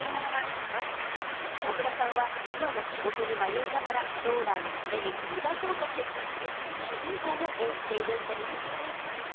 北村さんは今の仕事に迷いながら将来のために一歩、踏み出そうと決意する主人公を演じているんでぃす。